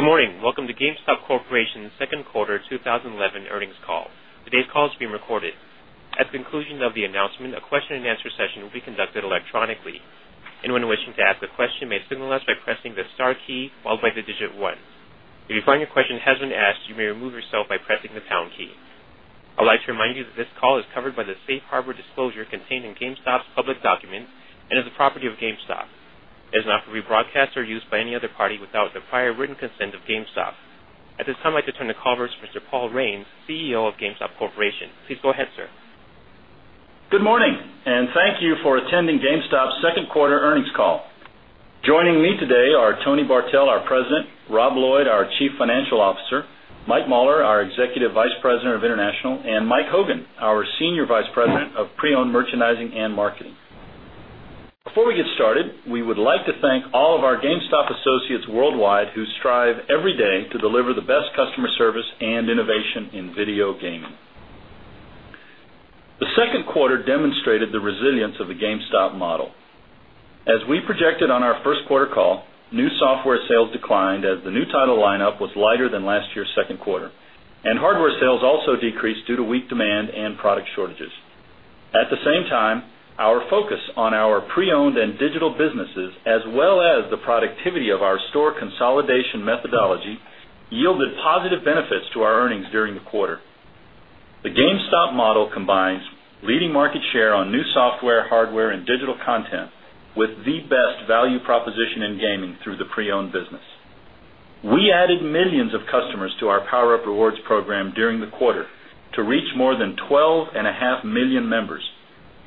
Good morning. Welcome to GameStop Corporation's Second Quarter 2011 Earnings Call. Today's call is being recorded. At the conclusion of the announcement, a question and answer session will be conducted electronically. Anyone wishing to ask a question may signal us by pressing the star key followed by the digit one. If you find your question has been asked, you may remove yourself by pressing the pound key. I would like to remind you that this call is covered by the Safe Harbor disclosure contained in GameStop's public document and is the property of GameStop. It is not to be broadcast or used by any other party without the prior written consent of GameStop. At this time, I'd like to turn the call over to Mr. Paul Raines, CEO of GameStop Corporation. Please go ahead, sir. Good morning, and thank you for attending GameStop's second quarter earnings call. Joining me today are Tony Bartel, our President; Rob Lloyd, our Chief Financial Officer; Mike Mauler, our Executive Vice President of International; and Mike Hogan, our Senior Vice President of Pre-Owned Merchandising and Marketing. Before we get started, we would like to thank all of our GameStop associates worldwide who strive every day to deliver the best customer service and innovation in video gaming. The second quarter demonstrated the resilience of the GameStop model. As we projected on our first quarter call, new software sales declined as the new title lineup was lighter than last year's second quarter, and hardware sales also decreased due to weak demand and product shortages. At the same time, our focus on our pre-owned and digital businesses, as well as the productivity of our store consolidation methodology, yielded positive benefits to our earnings during the quarter. The GameStop model combines leading market share on new software, hardware, and digital content with the best value proposition in gaming through the pre-owned business. We added millions of customers to our PowerUp Rewards program during the quarter to reach more than 12.5 million members,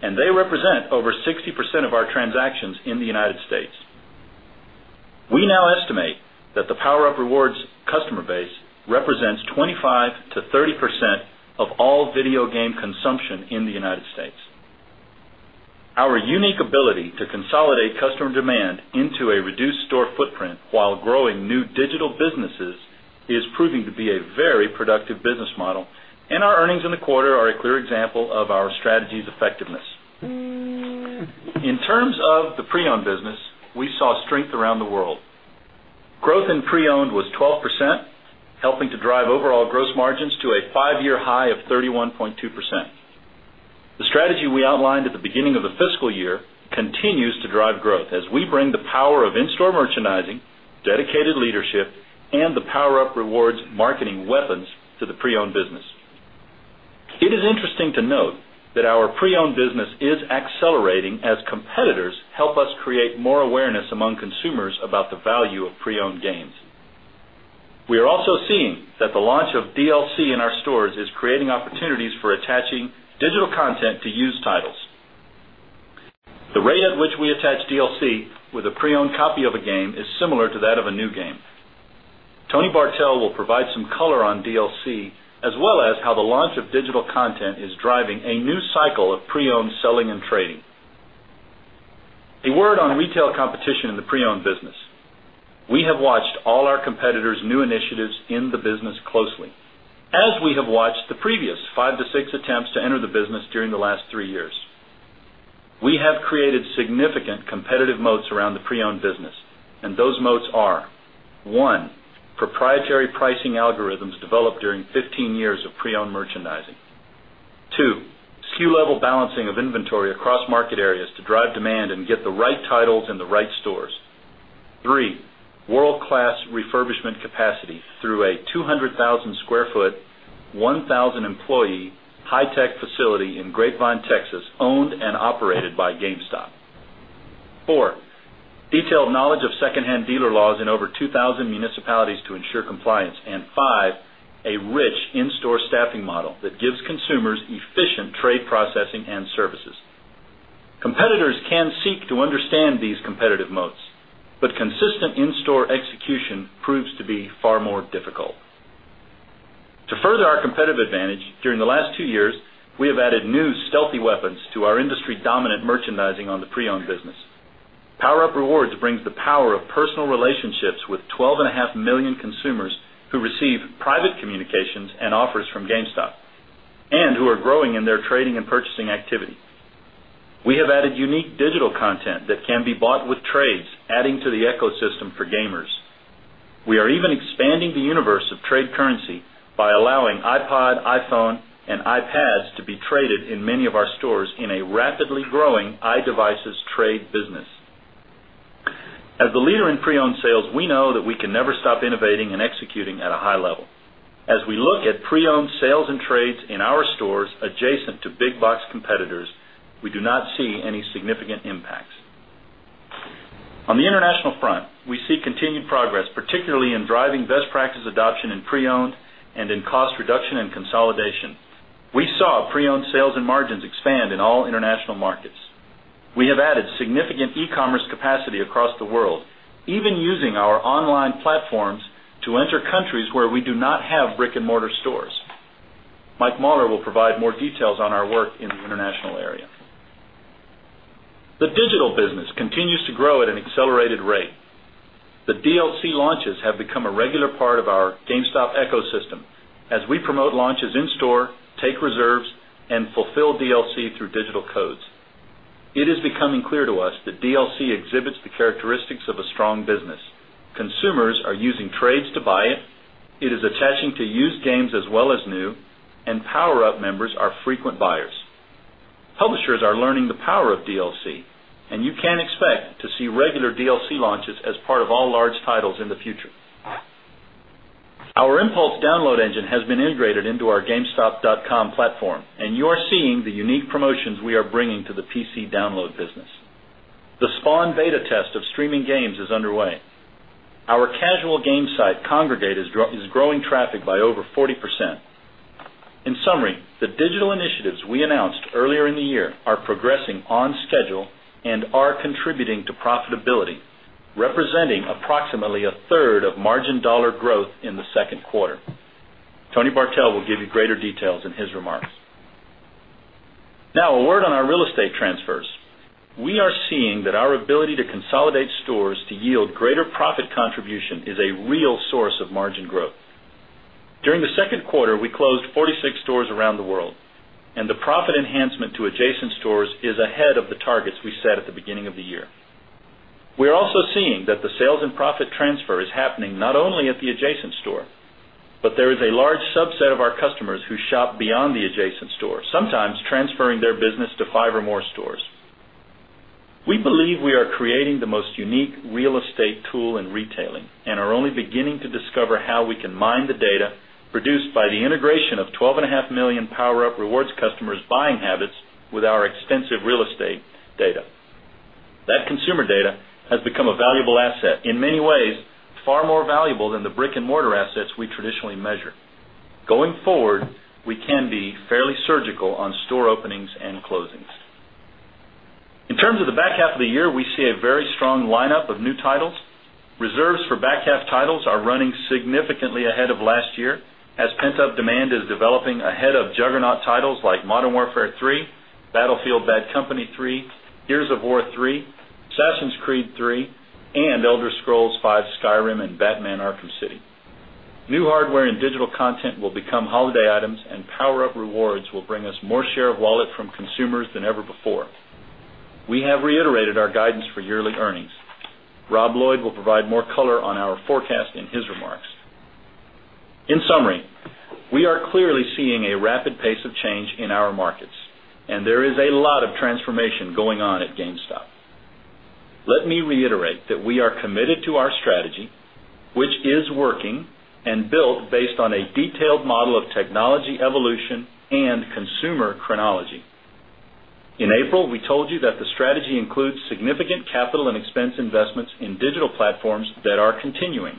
and they represent over 60% of our transactions in the U.S. We now estimate that the PowerUp Rewards customer base represents 25%-30% of all video game consumption in the U.S. Our unique ability to consolidate customer demand into a reduced store footprint while growing new digital businesses is proving to be a very productive business model, and our earnings in the quarter are a clear example of our strategy's effectiveness. In terms of the pre-owned business, we saw strength around the world. Growth in pre-owned was 12%, helping to drive overall gross margins to a five-year high of 31.2%. The strategy we outlined at the beginning of the fiscal year continues to drive growth as we bring the power of in-store merchandising, dedicated leadership, and the PowerUp Rewards marketing weapons to the pre-owned business. It is interesting to note that our pre-owned business is accelerating as competitors help us create more awareness among consumers about the value of pre-owned games. We are also seeing that the launch of DLC in our stores is creating opportunities for attaching digital content to used titles. The rate at which we attach DLC with a pre-owned copy of a game is similar to that of a new game. Tony Bartel will provide some color on DLC, as well as how the launch of digital content is driving a new cycle of pre-owned selling and trading. A word on retail competition in the pre-owned business. We have watched all our competitors' new initiatives in the business closely, as we have watched the previous five to six attempts to enter the business during the last three years. We have created significant competitive moats around the pre-owned business, and those moats are: one, proprietary pricing algorithms developed during 15 years of pre-owned merchandising; two, SKU-level balancing of inventory across market areas to drive demand and get the right titles in the right stores; three, world-class refurbishment capacity through a 200,000 square foot, 1,000 employee, high-tech facility in Grapevine, Texas, owned and operated by GameStop; four, detailed knowledge of second-hand dealer laws in over 2,000 municipalities to ensure compliance; and five, a rich in-store staffing model that gives consumers efficient trade processing and services. Competitors can seek to understand these competitive moats, but consistent in-store execution proves to be far more difficult. To further our competitive advantage, during the last two years, we have added new stealthy weapons to our industry-dominant merchandising on the pre-owned business. PowerUp Rewards brings the power of personal relationships with 12.5 million consumers who receive private communications and offers from GameStop and who are growing in their trading and purchasing activity. We have added unique digital content that can be bought with trades, adding to the ecosystem for gamers. We are even expanding the universe of trade currency by allowing iPod, iPhone, and iPads to be traded in many of our stores in a rapidly growing iDevices trade business. As the leader in pre-owned sales, we know that we can never stop innovating and executing at a high level. As we look at pre-owned sales and trades in our stores adjacent to big-box competitors, we do not see any significant impacts. On the international front, we see continued progress, particularly in driving best practice adoption in pre-owned and in cost reduction and consolidation. We saw pre-owned sales and margins expand in all international markets. We have added significant e-commerce capacity across the world, even using our online platforms to enter countries where we do not have brick-and-mortar stores. Mike Mauler will provide more details on our work in the international area. The digital business continues to grow at an accelerated rate. The DLC launches have become a regular part of our GameStop ecosystem as we promote launches in-store, take reserves, and fulfill DLC through digital codes. It is becoming clear to us that DLC exhibits the characteristics of a strong business. Consumers are using trades to buy it, it is attaching to used games as well as new, and PowerUp members are frequent buyers. Publishers are learning the power of DLC, and you can expect to see regular DLC launches as part of all large titles in the future. Our Impulse download engine has been integrated into our gamestop.com platform, and you are seeing the unique promotions we are bringing to the PC download business. The Spawn beta test of streaming games is underway. Our casual game site, Kongregate, is growing traffic by over 40%. In summary, the digital initiatives we announced earlier in the year are progressing on schedule and are contributing to profitability, representing approximately 1/3 of margin dollar growth in the second quarter. Tony Bartel will give you greater details in his remarks. Now, a word on our real estate transfers. We are seeing that our ability to consolidate stores to yield greater profit contribution is a real source of margin growth. During the second quarter, we closed 46 stores around the world, and the profit enhancement to adjacent stores is ahead of the targets we set at the beginning of the year. We are also seeing that the sales and profit transfer is happening not only at the adjacent store, but there is a large subset of our customers who shop beyond the adjacent store, sometimes transferring their business to five or more stores. We believe we are creating the most unique real estate tool in retailing and are only beginning to discover how we can mine the data produced by the integration of 12.5 million PowerUp Rewards customers' buying habits with our extensive real estate data. That consumer data has become a valuable asset, in many ways far more valuable than the brick-and-mortar assets we traditionally measure. Going forward, we can be fairly surgical on store openings and closings. In terms of the back half of the year, we see a very strong lineup of new titles. Reserves for back half titles are running significantly ahead of last year, as pent-up demand is developing ahead of juggernaut titles like Modern Warfare III, Battlefield 3, Gears of War 3, Assassin's Creed III, Elder Scrolls V: Skyrim, and Batman: Arkham City. New hardware and digital content will become holiday items, and PowerUp Rewards will bring us more share of wallet from consumers than ever before. We have reiterated our guidance for yearly earnings. Rob Lloyd will provide more color on our forecast in his remarks. In summary, we are clearly seeing a rapid pace of change in our markets, and there is a lot of transformation going on at GameStop. Let me reiterate that we are committed to our strategy, which is working and built based on a detailed model of technology evolution and consumer chronology. In April, we told you that the strategy includes significant capital and expense investments in digital platforms that are continuing.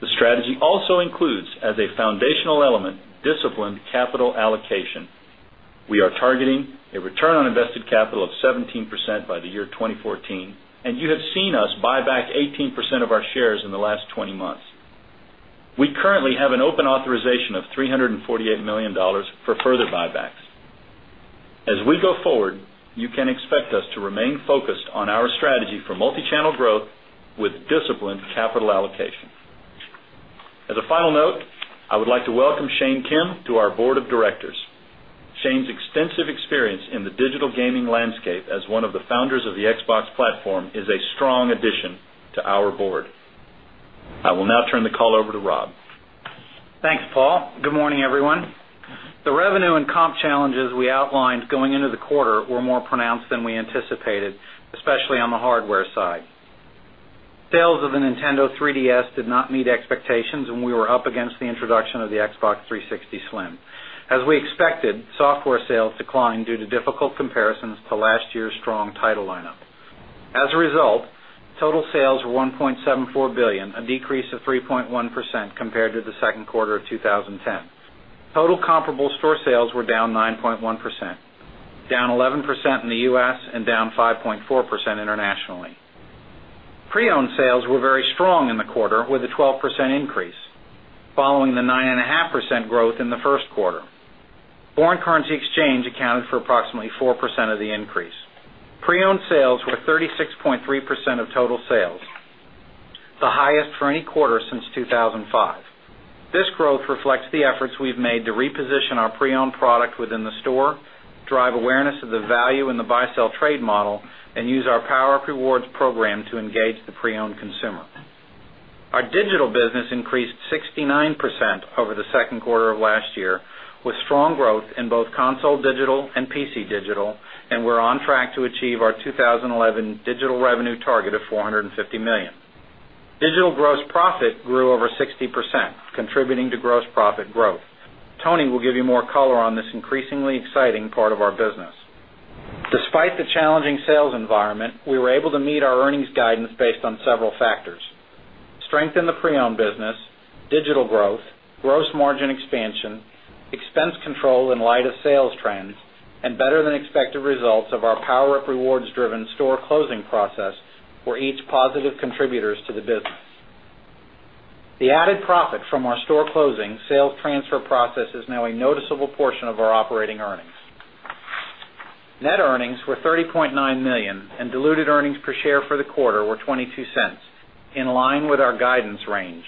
The strategy also includes, as a foundational element, disciplined capital allocation. We are targeting a return on invested capital of 17% by the year 2014, and you have seen us buy back 18% of our shares in the last 20 months. We currently have an open authorization of $348 million for further buybacks. As we go forward, you can expect us to remain focused on our strategy for multi-channel growth with disciplined capital allocation. As a final note, I would like to welcome Shane Kim to our Board of Directors. Shane's extensive experience in the digital gaming landscape as one of the founders of the Xbox platform is a strong addition to our board. I will now turn the call over to Rob. Thanks, Paul. Good morning, everyone. The revenue and comp challenges we outlined going into the quarter were more pronounced than we anticipated, especially on the hardware side. Sales of the Nintendo 3DS did not meet expectations, and we were up against the introduction of the Xbox 360 Slim. As we expected, software sales declined due to difficult comparisons to last year's strong title lineup. As a result, total sales were $1.74 billion, a decrease of 3.1% compared to the second quarter of 2010. Total comparable store sales were down 9.1%, down 11% in the U.S., and down 5.4% internationally. Pre-owned sales were very strong in the quarter with a 12% increase, following the 9.5% growth in the first quarter. Foreign currency exchange accounted for approximately 4% of the increase. Pre-owned sales were 36.3% of total sales, the highest for any quarter since 2005. This growth reflects the efforts we've made to reposition our pre-owned product within the store, drive awareness of the value in the buy-sell trade model, and use our PowerUp Rewards program to engage the pre-owned consumer. Our digital business increased 69% over the second quarter of last year, with strong growth in both console digital and PC digital, and we're on track to achieve our 2011 digital revenue target of $450 million. Digital gross profit grew over 60%, contributing to gross profit growth. Tony will give you more color on this increasingly exciting part of our business. Despite the challenging sales environment, we were able to meet our earnings guidance based on several factors: strength in the pre-owned business, digital growth, gross margin expansion, expense control in light of sales trends, and better-than-expected results of our PowerUp Rewards-driven store closing process, where each positive contributors to the business. The added profit from our store closing sale transfer process is now a noticeable portion of our operating earnings. Net earnings were $30.9 million, and diluted earnings per share for the quarter were $0.22, in line with our guidance range.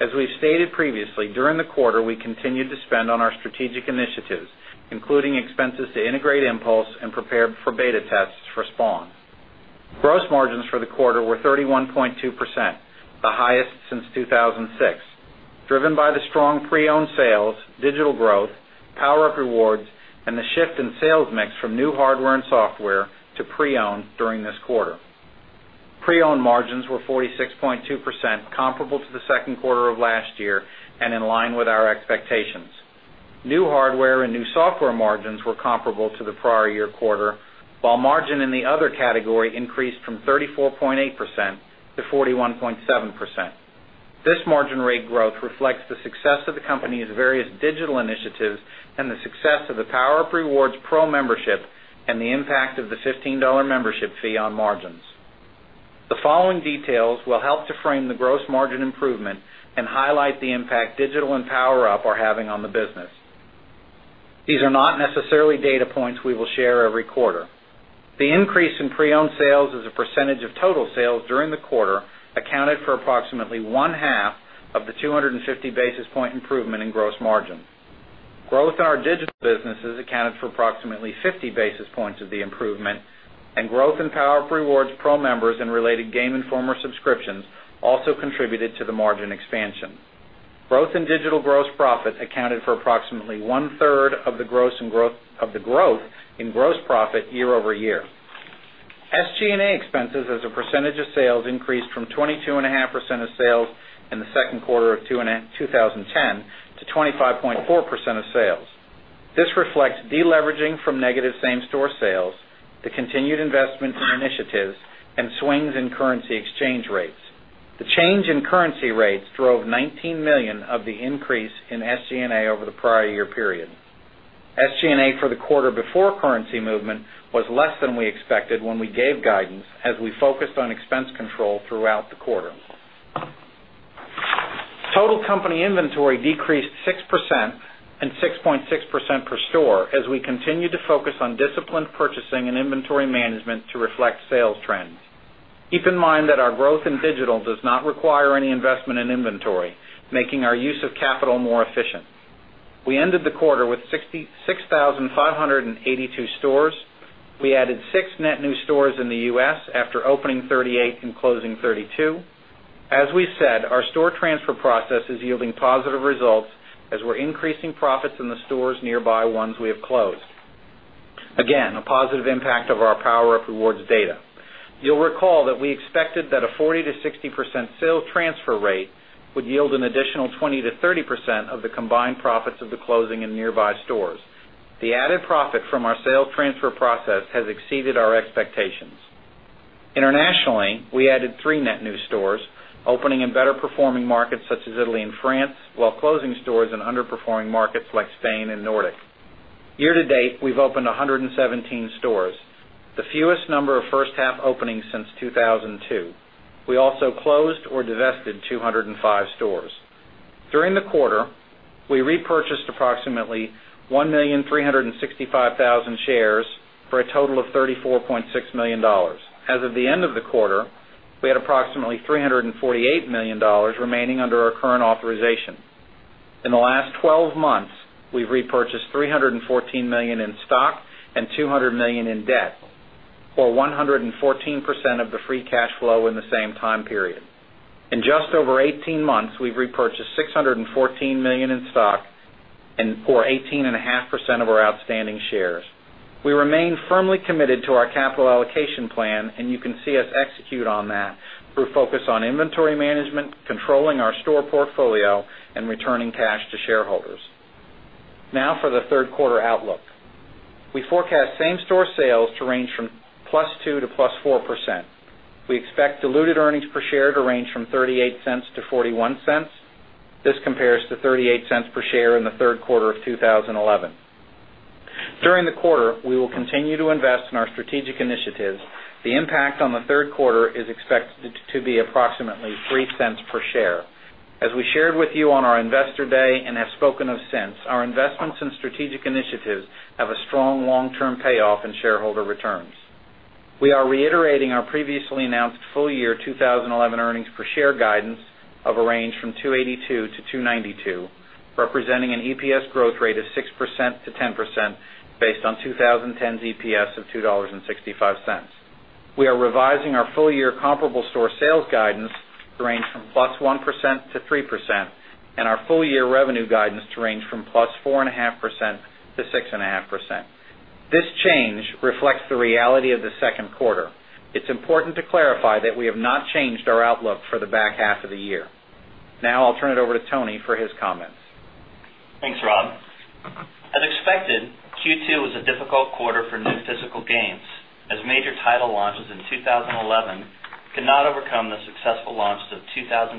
As we've stated previously, during the quarter, we continued to spend on our strategic initiatives, including expenses to integrate Impulse and prepare for beta tests for Spawn Labs. Gross margins for the quarter were 31.2%, the highest since 2006, driven by the strong pre-owned sales, digital growth, PowerUp Rewards, and the shift in sales mix from new hardware and software to pre-owned during this quarter. Pre-owned margins were 46.2%, comparable to the second quarter of last year and in line with our expectations. New hardware and new software margins were comparable to the prior year quarter, while margin in the other category increased from 34.8%-41.7%. This margin rate growth reflects the success of the company's various digital initiatives and the success of the PowerUp Rewards Pro membership and the impact of the $15 membership fee on margins. The following details will help to frame the gross margin improvement and highlight the impact digital and PowerUp are having on the business. These are not necessarily data points we will share every quarter. The increase in pre-owned sales as a percentage of total sales during the quarter accounted for approximately 1/2 of the 250 basis point improvement in gross margin. Growth in our digital businesses accounted for approximately 50 basis points of the improvement, and growth in PowerUp Rewards Pro members and related game and former subscriptions also contributed to the margin expansion. Growth in digital gross profit accounted for approximately 1/3 of the growth in gross profit year-over-year. SG&A expenses as a percentage of sales increased from 22.5% of sales in the second quarter of 2010 to 25.4% of sales. This reflects deleveraging from negative same-store sales, the continued investment in initiatives, and swings in currency exchange rates. The change in currency rates drove $19 million of the increase in SG&A over the prior year period. SG&A for the quarter before currency movement was less than we expected when we gave guidance as we focused on expense control throughout the quarter. Total company inventory decreased 6% and 6.6% per store as we continued to focus on disciplined purchasing and inventory management to reflect sales trends. Keep in mind that our growth in digital does not require any investment in inventory, making our use of capital more efficient. We ended the quarter with 6,582 stores. We added six net new stores in the U.S. after opening 38 and closing 32. As we said, our store transfer process is yielding positive results as we're increasing profits in the stores nearby ones we have closed. Again, a positive impact of our PowerUp Rewards data. You'll recall that we expected that a 40%-60% sale transfer rate would yield an additional 20%-30% of the combined profits of the closing and nearby stores. The added profit from our sale transfer process has exceeded our expectations. Internationally, we added three net new stores, opening in better-performing markets such as Italy and France, while closing stores in underperforming markets like Spain and Nordic. Year to date, we've opened 117 stores, the fewest number of first half openings since 2002. We also closed or divested 205 stores. During the quarter, we repurchased approximately 1,365,000 shares for a total of $34.6 million. As of the end of the quarter, we had approximately $348 million remaining under our current authorization. In the last 12 months, we've repurchased $314 million in stock and $200 million in debt, or 114% of the free cash flow in the same time period. In just over 18 months, we've repurchased $614 million in stock and for 18.5% of our outstanding shares. We remain firmly committed to our capital allocation plan, and you can see us execute on that through focus on inventory management, controlling our store portfolio, and returning cash to shareholders. Now for the third quarter outlook. We forecast same-store sales to range from +2% to +4%. We expect diluted earnings per share to range from $0.38-$0.41. This compares to $0.38 per share in the third quarter of 2011. During the quarter, we will continue to invest in our strategic initiatives. The impact on the third quarter is expected to be approximately $0.03 per share. As we shared with you on our Investor Day and have spoken of since, our investments and strategic initiatives have a strong long-term payoff in shareholder returns. We are reiterating our previously announced full-year 2011 earnings per share guidance of a range from $2.82-$2.92, representing an EPS growth rate of 6%-10% based on 2010's EPS of $2.65. We are revising our full-year comparable store sales guidance to range from +1% to +3% and our full-year revenue guidance to range from +4.5% to +6.5%. This change reflects the reality of the second quarter. It's important to clarify that we have not changed our outlook for the back half of the year. Now, I'll turn it over to Tony for his comments. Thanks, Rob. As expected, Q2 was a difficult quarter for new physical games, as major title launches in 2011 could not overcome the successful launch of 2010,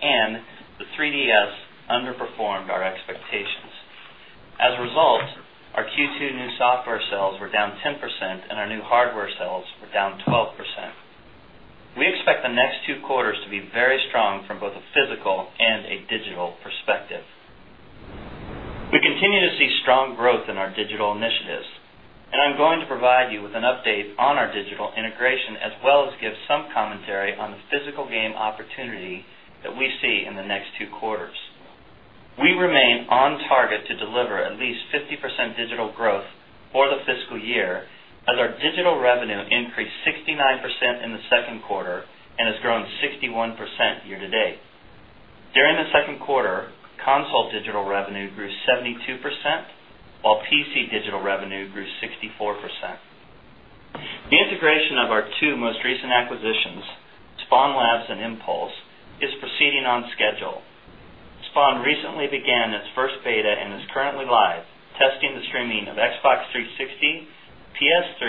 and the 3DS underperformed our expectations. As a result, our Q2 new software sales were down 10%, and our new hardware sales were down 12%. We expect the next two quarters to be very strong from both a physical and a digital perspective. We continue to see strong growth in our digital initiatives, and I'm going to provide you with an update on our digital integration, as well as give some commentary on the physical game opportunity that we see in the next two quarters. We remain on target to deliver at least 50% digital growth for the fiscal year, as our digital revenue increased 69% in the second quarter and has grown 61% year to date. During the second quarter, console digital revenue grew 72%, while PC digital revenue grew 64%. The integration of our two most recent acquisitions, Spawn Labs and Impulse, is proceeding on schedule. Spawn recently began its first beta and is currently live testing the streaming of Xbox 360, PS3,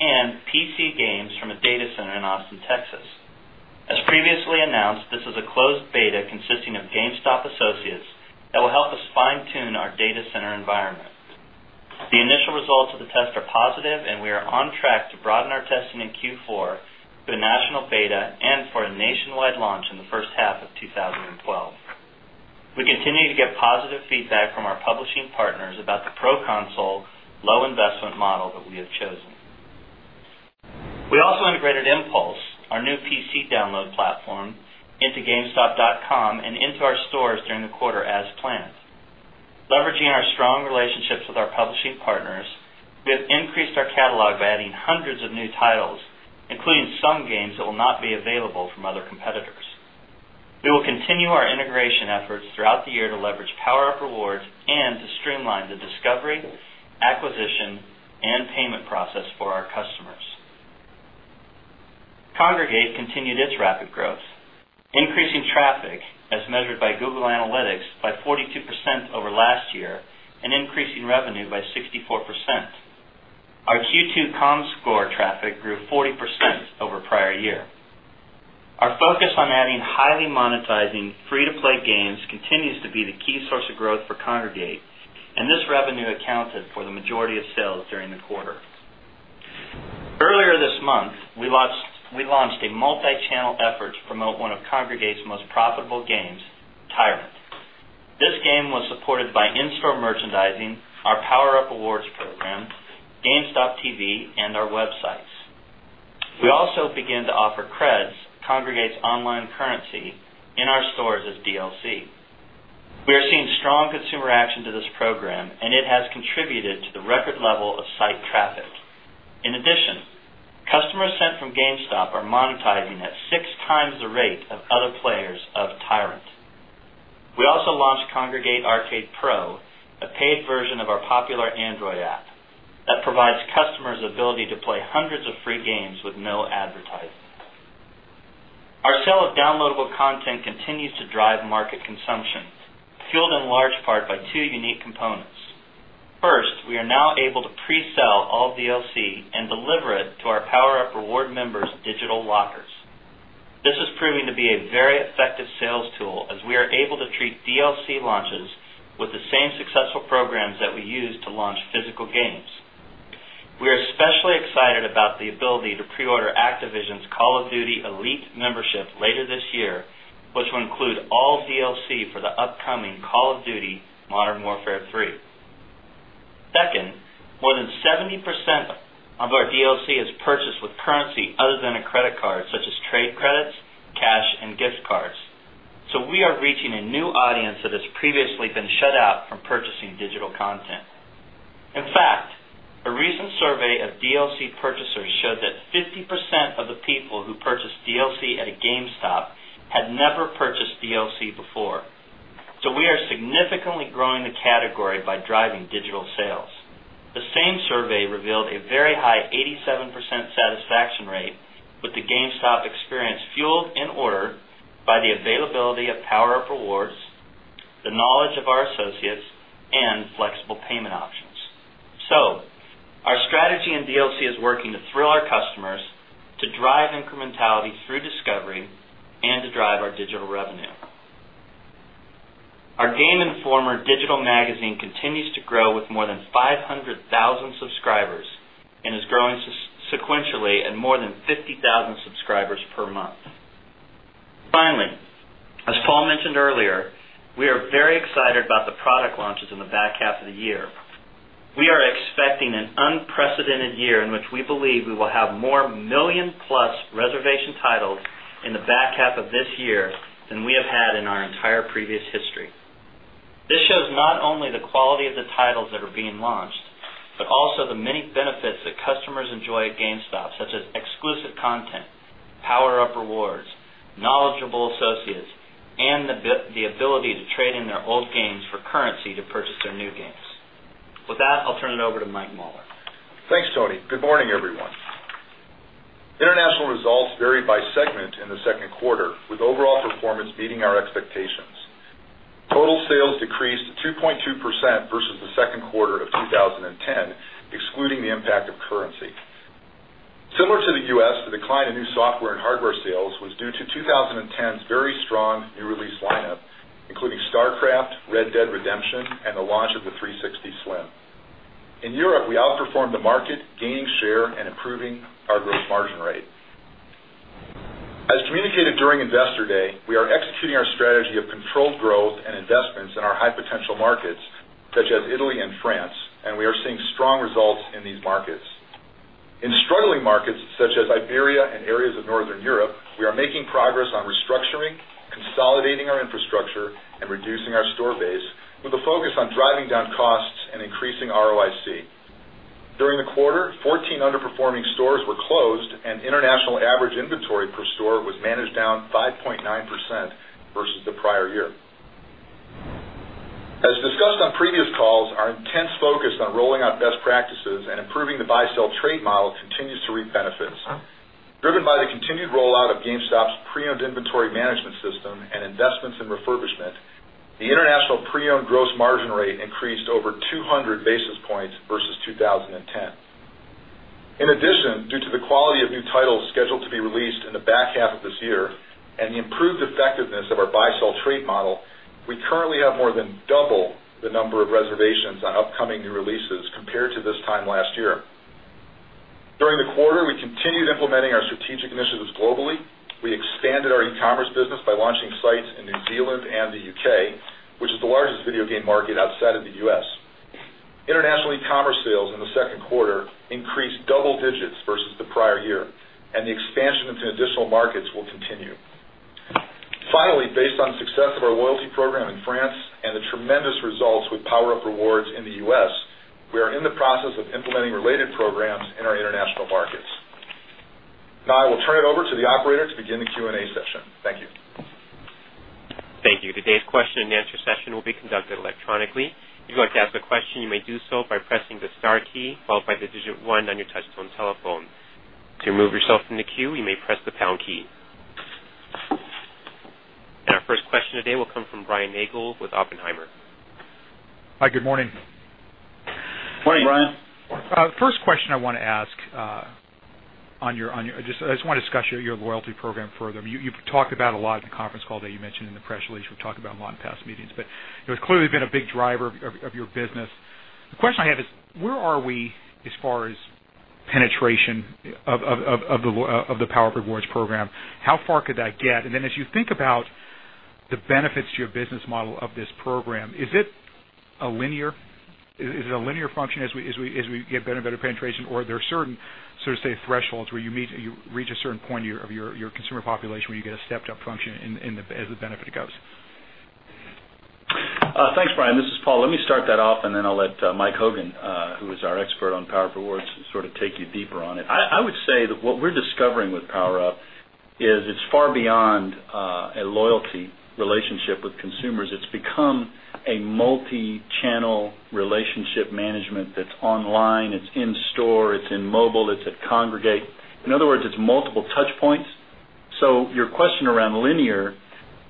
and PC games from a data center in Austin, Texas. As previously announced, this is a closed beta consisting of GameStop associates that will help us fine-tune our data center environment. The initial results of the test are positive, and we are on track to broaden our testing in Q4 to a national beta and for a nationwide launch in the first half of 2012. We continue to get positive feedback from our publishing partners about the pro-console, low-investment model that we have chosen. We also integrated Impulse, our new PC download platform, into gamestop.com and into our stores during the quarter as planned. Leveraging our strong relationships with our publishing partners, we have increased our catalog by adding hundreds of new titles, including some games that will not be available from other competitors. We will continue our integration efforts throughout the year to leverage PowerUp Rewards and to streamline the discovery, acquisition, and payment process for our customers. Kongregate continued its rapid growth, increasing traffic, as measured by Google Analytics, by 42% over last year and increasing revenue by 64%. Our Q2 comms score traffic grew 40% over prior year. Our focus on adding highly monetizing free-to-play games continues to be the key source of growth for Kongregate, and this revenue accounted for the majority of sales during the quarter. Earlier this month, we launched a multi-channel effort to promote one of Kongregate's most profitable games, Tyrant. This game was supported by in-store merchandising, our PowerUp Rewards program, GameStop TV, and our websites. We also began to offer Credz, Kongregate's online currency, in our stores as DLC. We are seeing strong consumer action to this program, and it has contributed to the record level of site traffic. In addition, customers sent from GameStop are monetizing at six times the rate of other players of Tyrant. We also launched Kongregate Arcade Pro, a paid version of our popular Android app that provides customers the ability to play hundreds of free games with no advertising. Our sale of downloadable content continues to drive market consumption, fueled in large part by two unique components. First, we are now able to pre-sell all DLC and deliver it to our PowerUp Rewards members' digital lockers. This is proving to be a very effective sales tool, as we are able to treat DLC launches with the same successful programs that we use to launch physical games. We are especially excited about the ability to pre-order Activision's Call of Duty Elite membership later this year, which will include all DLC for the upcoming Call of Duty: Modern Warfare III. Second, more than 70% of our DLC is purchased with currency other than a credit card, such as trade credits, cash, and gift cards. We are reaching a new audience that has previously been shut out from purchasing digital content. In fact, a recent survey of DLC purchasers showed that 50% of the people who purchased DLC at a GameStop had never purchased DLC before. We are significantly growing the category by driving digital sales. The same survey revealed a very high 87% satisfaction rate with the GameStop experience fueled in order by the availability of PowerUp Rewards, the knowledge of our associates, and flexible payment options. Our strategy in DLC is working to thrill our customers, to drive incrementality through discovery, and to drive our digital revenue. Our Game Informer digital magazine continues to grow with more than 500,000 subscribers and is growing sequentially at more than 50,000 subscribers per month. Finally, as Paul mentioned earlier, we are very excited about the product launches in the back half of the year. We are expecting an unprecedented year in which we believe we will have more million-plus reservation titles in the back half of this year than we have had in our entire previous history. This shows not only the quality of the titles that are being launched, but also the many benefits that customers enjoy at GameStop, such as exclusive content, PowerUp Rewards, knowledgeable associates, and the ability to trade in their old games for currency to purchase their new games. With that, I'll turn it over to Mike Mauler. Thanks, Tony. Good morning, everyone. International results vary by segment in the second quarter, with overall performance meeting our expectations. Total sales decreased 2.2% versus the second quarter of 2010, excluding the impact of currency. Similar to the U.S., the decline in new software and hardware sales was due to 2010's very strong new release lineup, including StarCraft, Red Dead Redemption, and the launch of the 360 Slim. In Europe, we outperformed the market, gaining share, and improving our gross margin rate. As communicated during Investor Day, we are executing our strategy of controlled growth and investments in our high-potential markets, such as Italy and France, and we are seeing strong results in these markets. In struggling markets such as Iberia and areas of Northern Europe, we are making progress on restructuring, consolidating our infrastructure, and reducing our store base, with a focus on driving down costs and increasing ROIC. During the quarter, 14 underperforming stores were closed, and international average inventory per store was managed down 5.9% versus the prior year. As discussed on previous calls, our intense focus on rolling out best practices and improving the buy-sell trade model continues to reap benefits. Driven by the continued rollout of GameStop's pre-owned inventory management system and investments in refurbishment, the international pre-owned gross margin rate increased over 200 basis points versus 2010. In addition, due to the quality of new titles scheduled to be released in the back half of this year and the improved effectiveness of our buy-sell trade model, we currently have more than double the number of reservations on upcoming new releases compared to this time last year. During the quarter, we continued implementing our strategic initiatives globally. We expanded our e-commerce business by launching sites in New Zealand and the U.K., which is the largest video game market outside of the U.S. International e-commerce sales in the second quarter increased double digits versus the prior year, and the expansion into additional markets will continue. Finally, based on the success of our loyalty program in France and the tremendous results with PowerUp Rewards in the U.S., we are in the process of implementing related programs in our international markets. Now, I will turn it over to the operator to begin the Q&A session. Thank you. Thank you. Today's question and answer session will be conducted electronically. If you'd like to ask a question, you may do so by pressing the star key followed by the digit one on your touchstone telephone. To remove yourself from the queue, you may press the pound key. Our first question today will come from Brian Nagle with Oppenheimer. Hi, good morning. Morning, Brian. The first question I want to ask on your, I just want to discuss your loyalty program further. You've talked about it a lot in the conference call that you mentioned in the press release. We've talked about it a lot in past meetings, but it has clearly been a big driver of your business. The question I have is, where are we as far as penetration of the PowerUp Rewards program? How far could that get? As you think about the benefits to your business model of this program, is it a linear function as we get better and better penetration, or are there certain sort of, say, thresholds where you reach a certain point of your consumer population where you get a stepped-up function as the benefit goes? Thanks, Brian. This is Paul. Let me start that off, and then I'll let Mike Hogan, who is our expert on PowerUp Rewards, sort of take you deeper on it. I would say that what we're discovering with PowerUp is it's far beyond a loyalty relationship with consumers. It's become a multi-channel relationship management that's online, it's in-store, it's in mobile, it's at Kongregate. In other words, it's multiple touchpoints. Your question around linear,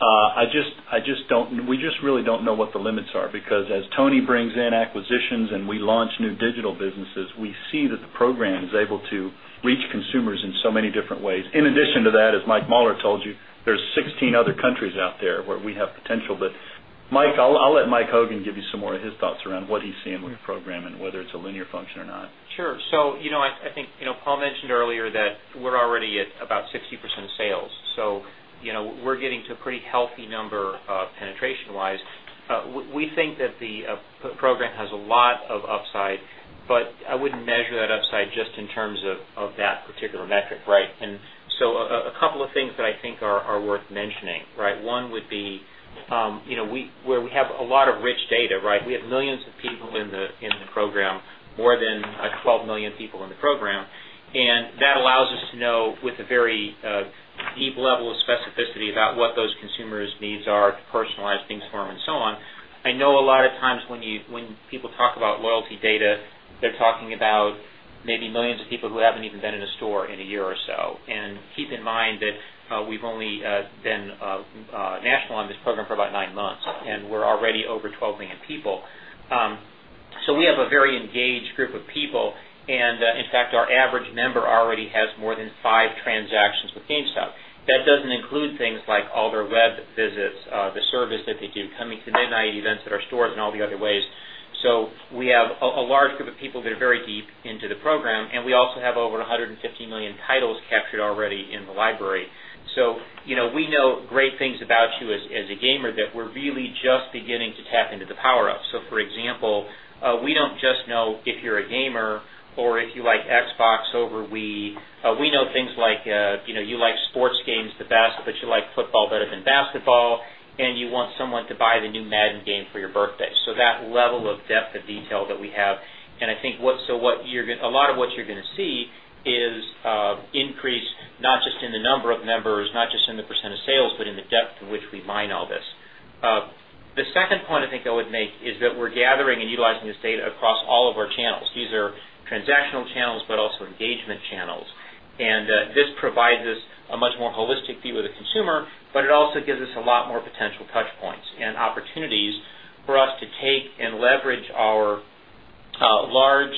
we just really don't know what the limits are, because as Tony brings in acquisitions and we launch new digital businesses, we see that the program is able to reach consumers in so many different ways. In addition to that, as Mike Mauler told you, there are 16 other countries out there where we have potential. Mike, I'll let Mike Hogan give you some more of his thoughts around what he's seeing with the program and whether it's a linear function or not. Sure. I think Paul mentioned earlier that we're already at about 60% of sales. We're getting to a pretty healthy number penetration-wise. We think that the program has a lot of upside, but I wouldn't measure that upside just in terms of that particular metric. A couple of things that I think are worth mentioning. One would be where we have a lot of rich data. We have millions of people in the program, more than 12 million people in the program, and that allows us to know with a very deep level of specificity about what those consumers' needs are to personalize things for them and so on. I know a lot of times when people talk about loyalty data, they're talking about maybe millions of people who haven't even been in a store in a year or so. Keep in mind that we've only been national on this program for about nine months, and we're already over 12 million people. We have a very engaged group of people, and in fact, our average member already has more than five transactions with GameStop. That doesn't include things like all their web visits, the service that they do, coming to midnight events at our stores, and all the other ways. We have a large group of people that are very deep into the program, and we also have over 150 million titles captured already in the library. We know great things about you as a gamer that we're really just beginning to tap into the PowerUp. For example, we don't just know if you're a gamer or if you like Xbox over Wii. We know things like you like sports games the best, but you like football better than basketball, and you want someone to buy the new Madden game for your birthday. That level of depth of detail that we have. I think a lot of what you're going to see is increase not just in the number of members, not just in the percentage of sales, but in the depth to which we mine all this. The second point I think I would make is that we're gathering and utilizing this data across all of our channels. These are transactional channels, but also engagement channels. This provides us a much more holistic view of the consumer, but it also gives us a lot more potential touchpoints and opportunities for us to take and leverage our large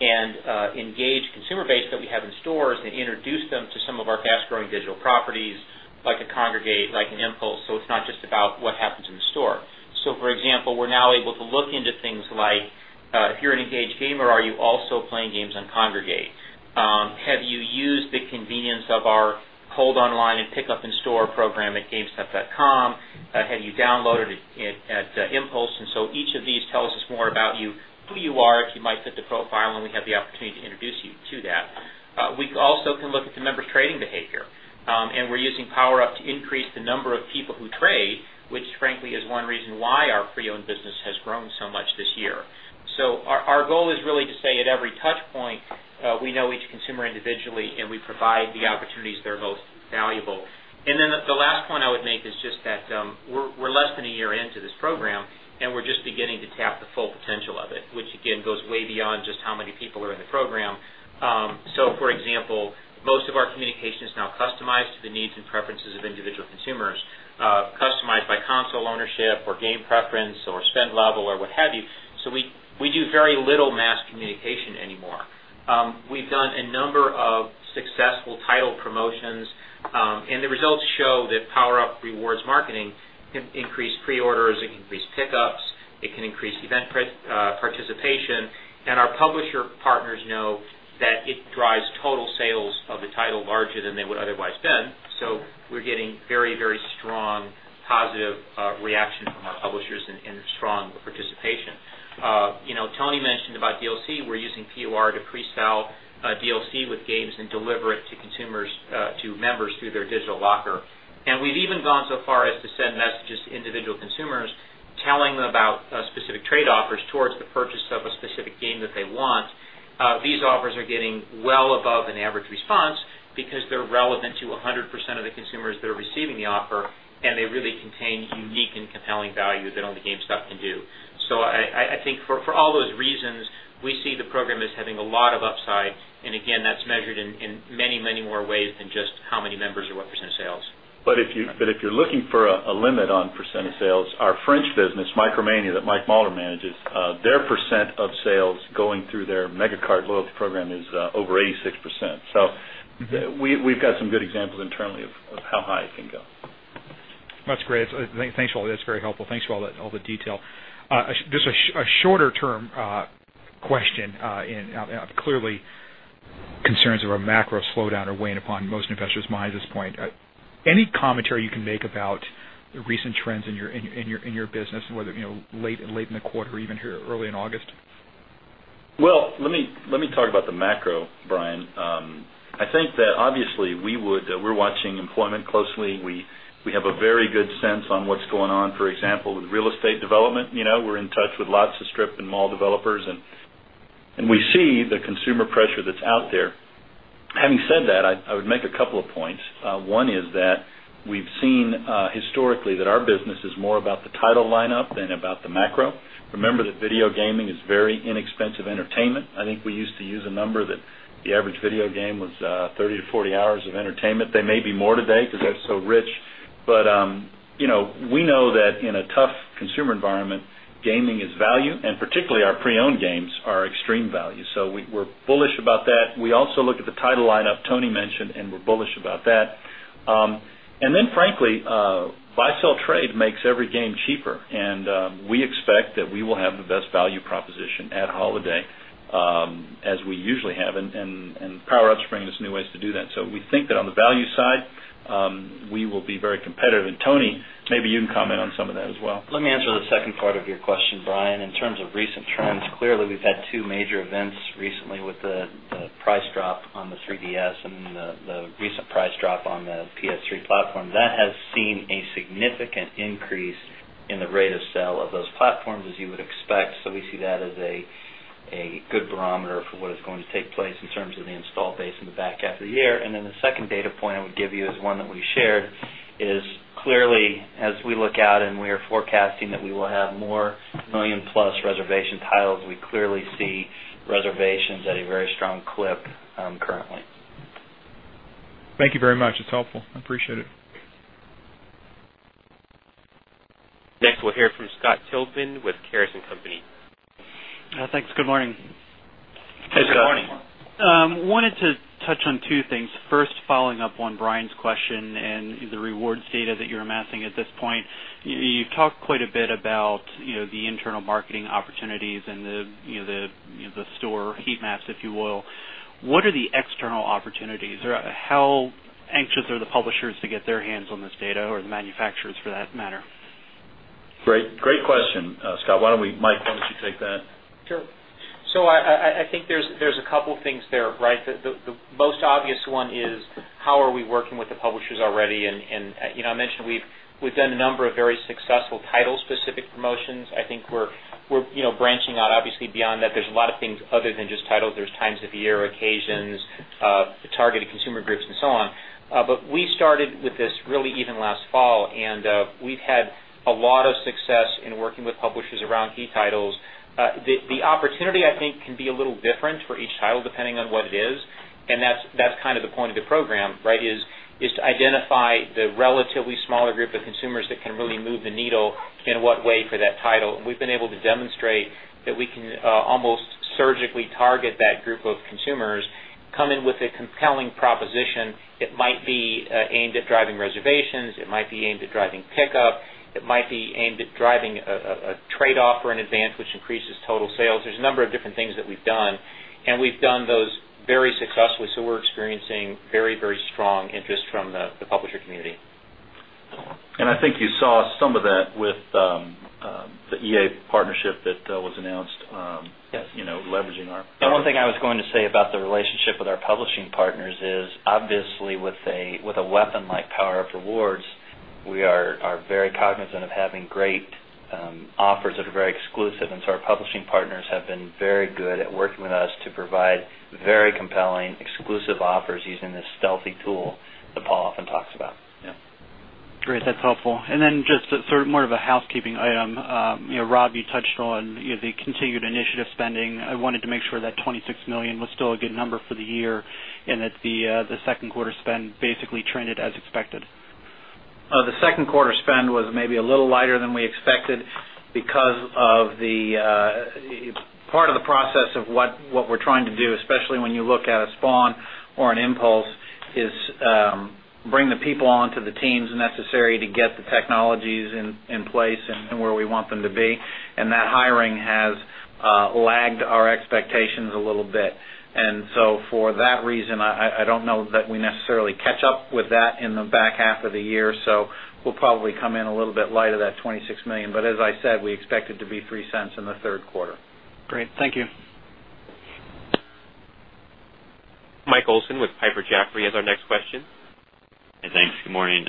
and engaged consumer base that we have in stores and introduce them to some of our fast-growing digital properties like a Kongregate, like an Impulse, so it's not just about what happens in the store. For example, we're now able to look into things like if you're an engaged gamer, are you also playing games on Kongregate? Have you used the convenience of our cold online and pickup in-store program at gamestop.com? Have you downloaded it at Impulse? Each of these tells us more about you, who you are, if you might fit the profile, and we have the opportunity to introduce you to that. We also can look at the member's trading behavior, and we're using PowerUp to increase the number of people who trade, which frankly is one reason why our pre-owned business has grown so much this year. Our goal is really to say at every touchpoint, we know each consumer individually, and we provide the opportunities that are most valuable. The last point I would make is just that we're less than a year into this program, and we're just beginning to tap the full potential of it, which again goes way beyond just how many people are in the program. For example, most of our communication is now customized to the needs and preferences of individual consumers, customized by console ownership or game preference or spend level or what have you. We do very little mass communication anymore. We've done a number of successful title promotions, and the results show that PowerUp Rewards marketing can increase pre-orders, it can increase pickups, it can increase event participation, and our publisher partners know that it drives total sales of the title larger than they would otherwise have been. We're getting very, very strong positive reaction from our publishers and strong participation. Tony mentioned about DLC. We're using PowerUp Rewards to pre-sell DLC with games and deliver it to members through their digital locker. We've even gone so far as to send messages to individual consumers telling them about specific trade offers towards the purchase of a specific game that they want. These offers are getting well above an average response because they're relevant to 100% of the consumers that are receiving the offer, and they really contain unique and compelling value that only GameStop can do. For all those reasons, we see the program as having a lot of upside, and again, that's measured in many, many more ways than just how many members or what percentage of sales. If you're looking for a limit on percent of sales, our French business, Micromania, that Mike Mauler manages, their percent of sales going through their MegaCart loyalty program is over 86%. We've got some good examples internally of how high it can go. That's great. Thanks, Paul. That's very helpful. Thanks for all the detail. Just a shorter-term question, and clearly concerns of a macro slowdown are weighing upon most investors' minds at this point. Any commentary you can make about the recent trends in your business, whether late in the quarter or even here early in August? Let me talk about the macro, Brian. I think that obviously we're watching employment closely. We have a very good sense on what's going on, for example, with real estate development. We're in touch with lots of strip and mall developers, and we see the consumer pressure that's out there. Having said that, I would make a couple of points. One is that we've seen historically that our business is more about the title lineup than about the macro. Remember that video gaming is very inexpensive entertainment. I think we used to use a number that the average video game was 30-40 hours of entertainment. They may be more today because that's so rich. We know that in a tough consumer environment, gaming is value, and particularly our pre-owned games are extreme value. We're bullish about that. We also look at the title lineup Tony mentioned, and we're bullish about that. Frankly, buy-sell trade makes every game cheaper, and we expect that we will have the best value proposition at holiday, as we usually have, and PowerUp Rewards is bringing us new ways to do that. We think that on the value side, we will be very competitive. Tony, maybe you can comment on some of that as well. Let me answer the second part of your question, Brian. In terms of recent trends, clearly we've had two major events recently with the price drop on the 3DS and the recent price drop on the PS3 platform. That has seen a significant increase in the rate of sale of those platforms, as you would expect. We see that as a good barometer for what is going to take place in terms of the install base in the back half of the year. The second data point I would give you is one that we shared. It is clearly, as we look out and we are forecasting that we will have more million-plus reservation titles, we clearly see reservations at a very strong clip currently. Thank you very much. It's helpful. I appreciate it. Next, we'll hear from Scott Tilghman with Cares & Company. Thanks. Good morning. Hey, good morning. I wanted to touch on two things. First, following up on Brian's question and the rewards data that you're amassing at this point. You've talked quite a bit about the internal marketing opportunities and the store heat maps, if you will. What are the external opportunities? How anxious are the publishers to get their hands on this data, or the manufacturers for that matter? Great question, Scott. Mike, why don't you take that? Sure. I think there's a couple of things there. The most obvious one is how are we working with the publishers already? I mentioned we've done a number of very successful title-specific promotions. I think we're branching out obviously beyond that. There's a lot of things other than just titles. There's times of year, occasions, targeted consumer groups, and so on. We started with this really even last fall, and we've had a lot of success in working with publishers around key titles. The opportunity, I think, can be a little different for each title depending on what it is. That's kind of the point of the program, to identify the relatively smaller group of consumers that can really move the needle in what way for that title. We've been able to demonstrate that we can almost surgically target that group of consumers, come in with a compelling proposition. It might be aimed at driving reservations. It might be aimed at driving pickup. It might be aimed at driving a trade-off for an advance, which increases total sales. There's a number of different things that we've done, and we've done those very successfully. We're experiencing very, very strong interest from the publisher community. I think you saw some of that with the EA partnership that was announced, leveraging our. The one thing I was going to say about the relationship with our publishing partners is obviously with a weapon like PowerUp Rewards, we are very cognizant of having great offers that are very exclusive. Our publishing partners have been very good at working with us to provide very compelling, exclusive offers using this stealthy tool that Paul often talks about. Yeah. Great. That's helpful. Just sort of more of a housekeeping item. Rob, you touched on the continued initiative spending. I wanted to make sure that $26 million was still a good number for the year and that the second quarter spend basically trended as expected. The second quarter spend was maybe a little lighter than we expected because part of the process of what we're trying to do, especially when you look at a Spawn Labs or an Impulse, is bring the people onto the teams necessary to get the technologies in place and where we want them to be. That hiring has lagged our expectations a little bit. For that reason, I don't know that we necessarily catch up with that in the back half of the year. We'll probably come in a little bit lighter than that $26 million. As I said, we expect it to be $0.03 in the third quarter. Great. Thank you. Michael Olson with Piper Jaffray has our next question. Hey, thanks. Good morning.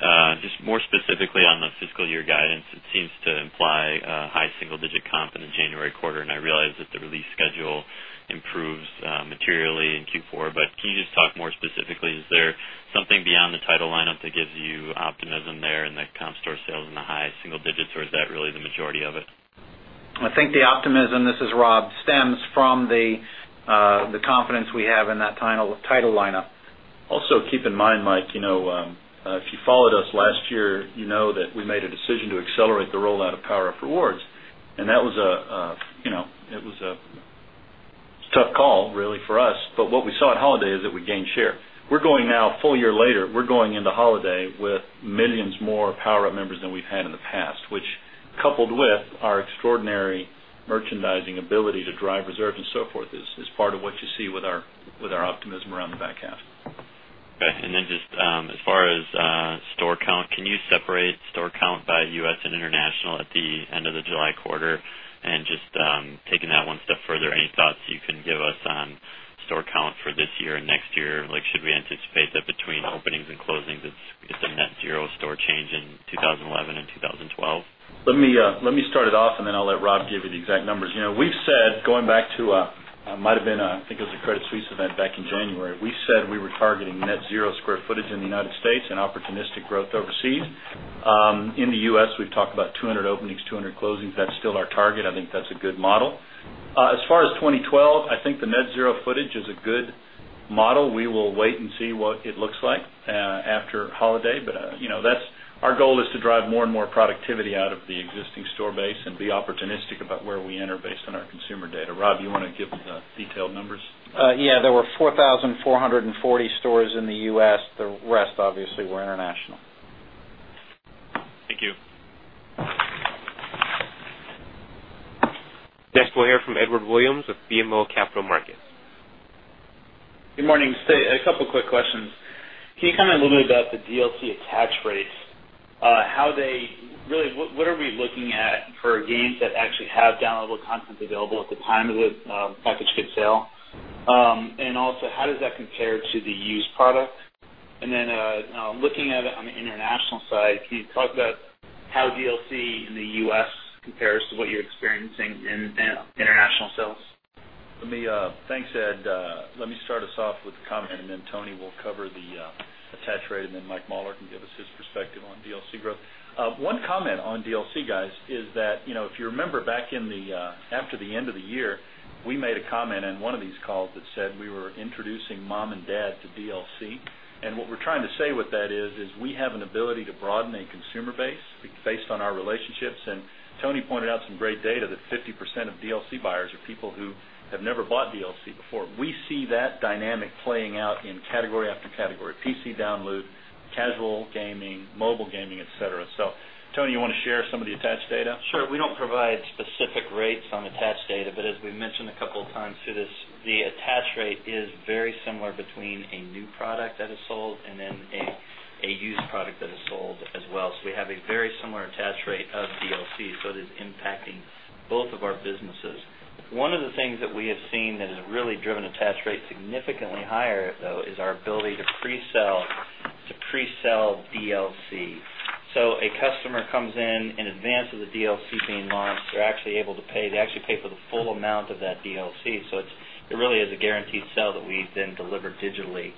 Just more specifically on the fiscal year guidance, it seems to imply high single-digit comp in the January quarter, and I realize that the release schedule improves materially in Q4. Can you just talk more specifically? Is there something beyond the title lineup that gives you optimism there in the comp store sales in the high single digits, or is that really the majority of it? I think the optimism, this is Rob, stems from the confidence we have in that title lineup. Also, keep in mind, Mike, you know if you followed us last year, you know that we made a decision to accelerate the rollout of PowerUp Rewards. That was a tough call, really, for us. What we saw at holiday is that we gained share. We're going now, a full year later, into holiday with millions more PowerUp members than we've had in the past, which, coupled with our extraordinary merchandising ability to drive reserves and so forth, is part of what you see with our optimism around the back half. Okay. Just as far as store count, can you separate store count by U.S. and international at the end of the July quarter? Taking that one step further, any thoughts you can give us on store count for this year and next year? Should we anticipate that between openings and closings, it's a net zero store change in 2011 and 2012? Let me start it off, and then I'll let Rob give you the exact numbers. We've said, going back to a, I think it was a Credit Suisse event back in January, we said we were targeting net zero square footage in the U.S. and opportunistic growth overseas. In the U.S., we've talked about 200 openings, 200 closings. That's still our target. I think that's a good model. As far as 2012, I think the net zero footage is a good model. We will wait and see what it looks like after holiday. Our goal is to drive more and more productivity out of the existing store base and be opportunistic about where we enter based on our consumer data. Rob, you want to give the detailed numbers? Yeah. There were 4,440 stores in the U.S. The rest obviously were international. Next, we'll hear from Edward Williams with BMO Capital Markets. Good morning. A couple of quick questions. Can you comment a little bit about the DLC attach rates? How they really, what are we looking at for games that actually have downloadable content available at the time of the package sale? Also, how does that compare to the used product? Looking at it on the international side, can you talk about how DLC in the U.S. compares to what you're experiencing in international sales? Thanks, Ed. Let me start us off with a comment, and then Tony will cover the attach rate, and then Mike Mauler can give us his perspective on DLC growth. One comment on DLC is that if you remember back at the end of the year, we made a comment on one of these calls that said we were introducing mom and dad to DLC. What we're trying to say with that is we have an ability to broaden a consumer base based on our relationships. Tony pointed out some great data that 50% of DLC buyers are people who have never bought DLC before. We see that dynamic playing out in category after category: PC download, casual gaming, mobile gaming, etc. Tony, you want to share some of the attach data? Sure. We don't provide specific rates on attached data, but as we mentioned a couple of times through this, the attach rate is very similar between a new product that is sold and then a used product that is sold as well. We have a very similar attach rate of DLC. It is impacting both of our businesses. One of the things that we have seen that has really driven attach rate significantly higher is our ability to pre-sell DLC. A customer comes in in advance of the DLC being launched. They're actually able to pay. They actually pay for the full amount of that DLC. It really is a guaranteed sale that we then deliver digitally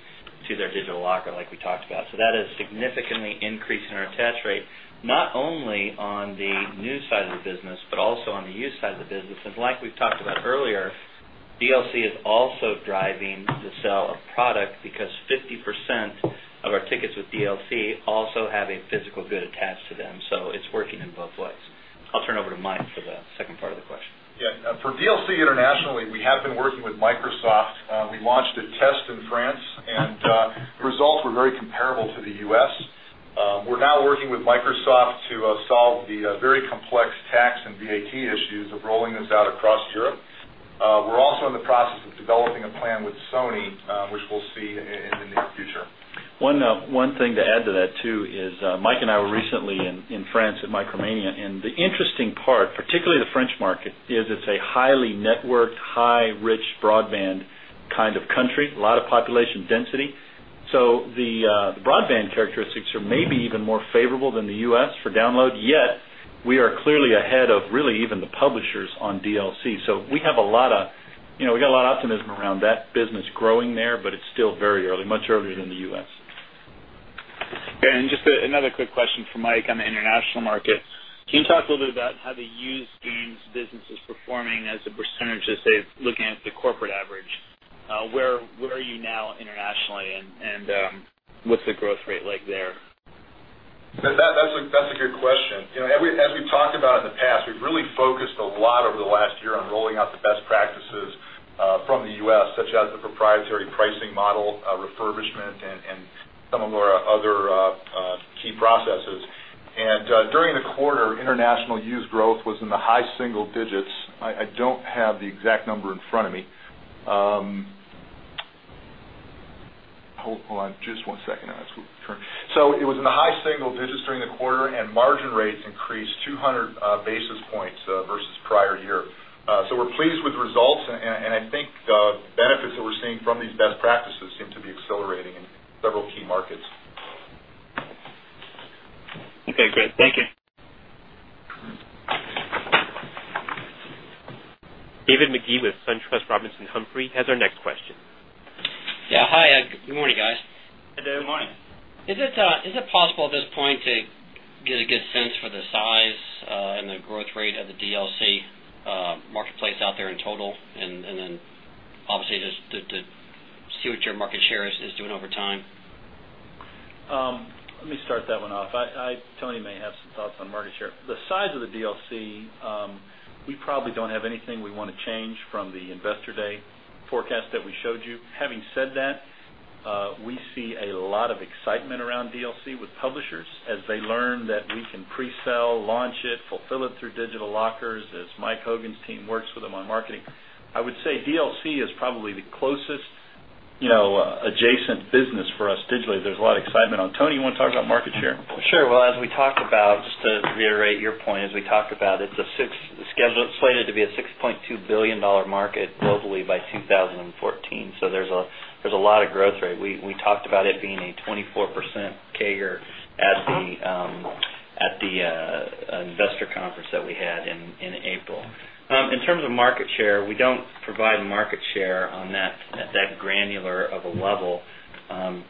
to their digital locker, like we talked about. That has significantly increased our attach rate, not only on the new side of the business, but also on the used side of the business. Like we've talked about earlier, DLC is also driving the sale of product because 50% of our tickets with DLC also have a physical good attached to them. It's working in both ways. I'll turn it over to Mike for the second part of the question. Yeah. For DLC internationally, we have been working with Microsoft. We launched a test in France, and the results were very comparable to the U.S. We're now working with Microsoft to solve the very complex tax and VAT issues of rolling this out across Europe. We're also in the process of developing a plan with Sony, which we'll see in the near future. One thing to add to that, too, is Mike and I were recently in France at Micromania, and the interesting part, particularly the French market, is it's a highly networked, high-rich broadband kind of country, a lot of population density. The broadband characteristics are maybe even more favorable than the U.S. for download, yet we are clearly ahead of really even the publishers on DLC. We have a lot of optimism around that business growing there, but it's still very early, much earlier than the U.S. Just another quick question for Mike on the international market. Can you talk a little bit about how the used games business is performing as a percentage as they're looking at the corporate average? Where are you now internationally, and what's the growth rate like there? That's a good question. As we've talked about in the past, we've really focused a lot over the last year on rolling out the best practices from the U.S., such as the proprietary pricing model, refurbishment, and some of our other key processes. During the quarter, international used growth was in the high single digits. I don't have the exact number in front of me. Hold on just one second. It was in the high single digits during the quarter, and margin rates increased 200 basis points versus prior year. We're pleased with the results, and I think the benefits that we're seeing from these best practices seem to be accelerating in several key markets. Okay, great. Thank you. David Magee with SunTrust Robinson Humphrey has our next question. Yeah, hi. Good morning, guys. Hey, David. Is it possible at this point to get a good sense for the size and the growth rate of the DLC marketplace out there in total? Obviously, just to see what your market share is doing over time. Let me start that one off. I totally may have some thoughts on market share. The size of the DLC, we probably don't have anything we want to change from the Investor Day forecast that we showed you. Having said that, we see a lot of excitement around DLC with publishers as they learn that we can pre-sell, launch it, fulfill it through digital lockers as Mike Hogan's team works with them on marketing. I would say DLC is probably the closest adjacent business for us digitally. There's a lot of excitement on. Tony, you want to talk about market share? As we talk about, just to reiterate your point, as we talk about, it's scheduled, slated to be a $6.2 billion market globally by 2014. There's a lot of growth rate. We talked about it being a 24% carrier at the Investor Conference that we had in April. In terms of market share, we don't provide market share on that granular of a level.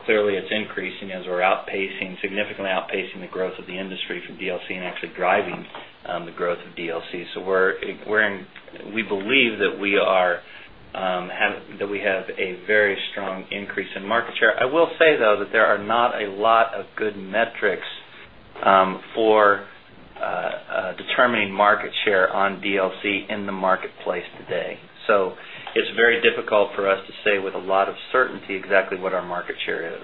Clearly, it's increasing as we're significantly outpacing the growth of the industry for DLC and actually driving the growth of DLC. We believe that we have a very strong increase in market share. I will say, though, that there are not a lot of good metrics for determining market share on DLC in the marketplace today. It's very difficult for us to say with a lot of certainty exactly what our market share is.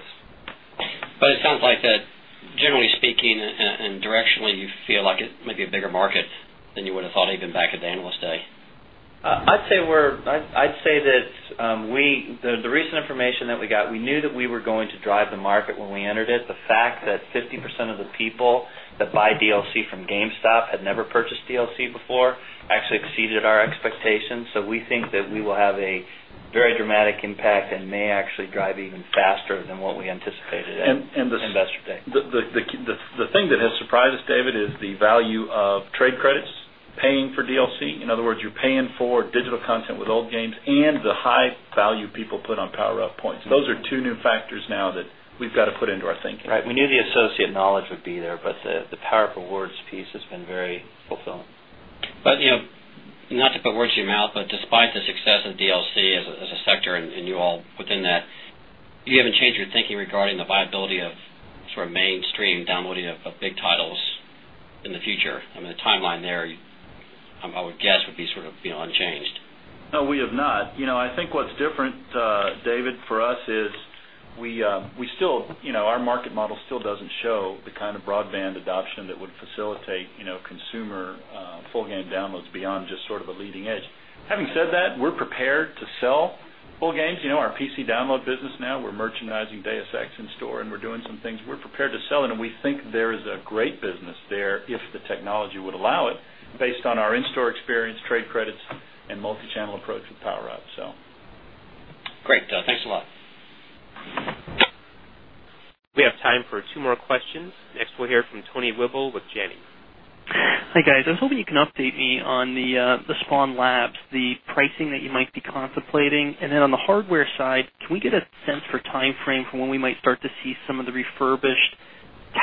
Generally speaking and directionally, you feel like it might be a bigger market than you would have thought even back at the analyst day. I'd say that the recent information that we got, we knew that we were going to drive the market when we entered it. The fact that 50% of the people that buy DLC from GameStop had never purchased DLC before actually exceeded our expectations. We think that we will have a very dramatic impact and may actually drive even faster than what we anticipated. The thing that has surprised us, David, is the value of trade credits paying for DLC. In other words, you're paying for digital content with old games and the high value people put on PowerUp points. Those are two new factors now that we've got to put into our thinking. Right. We knew the associate knowledge would be there, but the PowerUp Rewards piece has been very fulfilling. You know, not to put words in your mouth, but despite the success of DLC as a sector and you all within that, you haven't changed your thinking regarding the viability of sort of mainstream downloading of big titles in the future. I mean, the timeline there, I would guess, would be sort of unchanged. No, we have not. I think what's different, David, for us is we still, you know, our market model still doesn't show the kind of broadband adoption that would facilitate consumer full game downloads beyond just sort of a leading edge. Having said that, we're prepared to sell full games. Our PC download business now, we're merchandising Deus Ex in-store and we're doing some things. We're prepared to sell it, and we think there is a great business there if the technology would allow it based on our in-store experience, trade credits, and multi-channel approach with PowerUp Rewards. Great, thanks a lot. We have time for two more questions. Next, we'll hear from Anthony Wible with Jefferies. Hey, guys. I was hoping you can update me on the Spawn Labs, the pricing that you might be contemplating. On the hardware side, can we get a sense for timeframe for when we might start to see some of the refurbished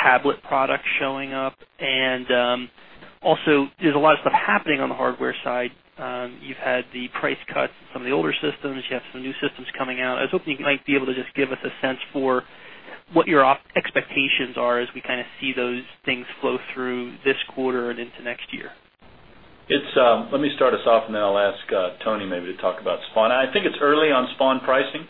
tablet products showing up? There's a lot of stuff happening on the hardware side. You've had the price cuts in some of the older systems. You have some new systems coming out. I was hoping you might be able to just give us a sense for what your expectations are as we kind of see those things flow through this quarter and into next year. Let me start us off, and then I'll ask Tony maybe to talk about Spawn. I think it's early on Spawn pricing.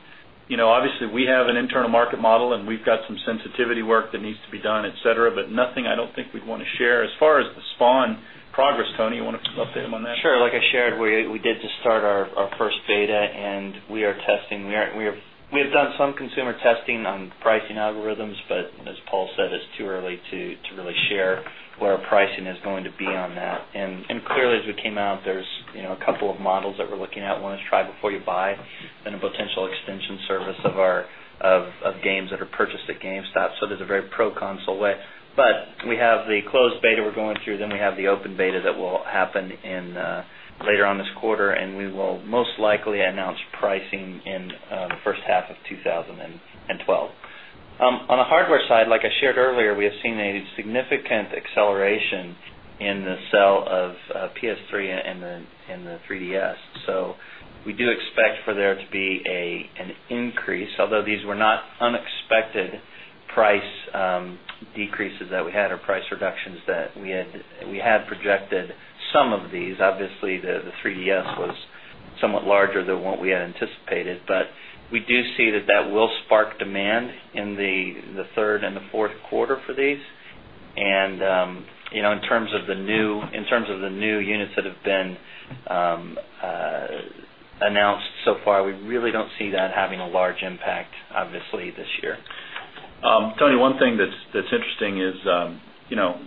Obviously, we have an internal market model and we've got some sensitivity work that needs to be done, etc., but nothing I don't think we'd want to share as far as the Spawn progress. Tony, you want to talk about that one? Sure. Like I shared, we did just start our first beta and we are testing. We have done some consumer testing on pricing algorithms, but as Paul said, it's too early to really share where our pricing is going to be on that. Clearly, as we came out, there's a couple of models that we're looking at. One is try before you buy, then a potential extension service of games that are purchased at GameStop. There is a very pro-console way. We have the closed beta we're going through, then we have the open beta that will happen later on this quarter, and we will most likely announce pricing in the first half of 2012. On the hardware side, like I shared earlier, we have seen a significant acceleration in the sale of PS3 and the 3DS. We do expect for there to be an increase, although these were not unexpected price decreases that we had or price reductions that we had projected. Some of these, obviously, the 3DS was somewhat larger than what we had anticipated, but we do see that that will spark demand in the third and the fourth quarter for these. In terms of the new units that have been announced so far, we really don't see that having a large impact, obviously, this year. Tony, one thing that's interesting is